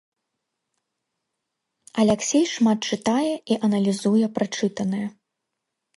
Аляксей шмат чытае і аналізуе прачытанае.